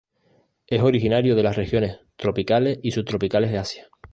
Es originario de las regiones tropicales y subtropicales de Asia.